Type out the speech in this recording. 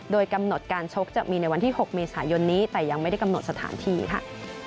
โดยกำหนดการชกจะมีในวันที่๖เมษายนนี้แต่ยังไม่ได้กำหนดสถานที่ค่ะ